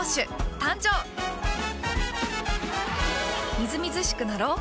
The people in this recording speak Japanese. みずみずしくなろう。